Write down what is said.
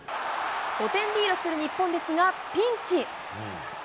５点リードする日本ですが、ピンチ。